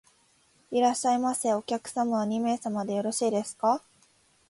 いらっしゃいませ。お客様は二名様でよろしいですか？